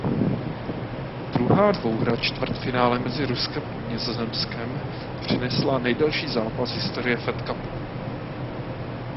Druhá dvouhra čtvrtfinále mezi Ruskem a Nizozemskem přinesla nejdelší zápas historie Fed Cupu.